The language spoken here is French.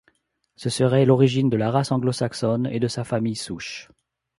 Ce serait l’origine de la race anglo-saxonne et de sa famille souche.